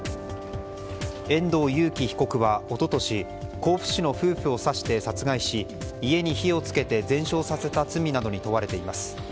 遠藤裕喜被告は一昨年甲府市の夫婦を刺して殺害し家に火を付けて全焼させた罪などに問われています。